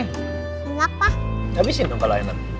habisin dong kalau enak